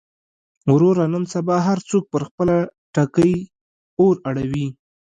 وروره نن سبا هر څوک پر خپله ټکۍ اور اړوي.